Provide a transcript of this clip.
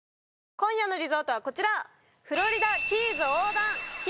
今夜のリゾートはこちら！